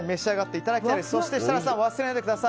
設楽さん忘れないでください。